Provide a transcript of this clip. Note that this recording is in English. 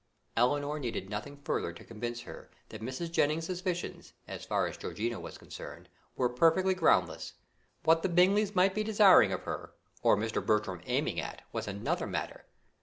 Elinor needed nothing further to convince her that Mrs. Jennings's suspicions, as far as Georgiana was concerned, were perfectly groundless; what the Bingleys might be desiring of her, or Mr. Bertram aiming at, was another matter.